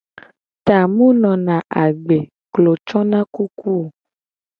Ta mu nona agbe, klo cona kuku o.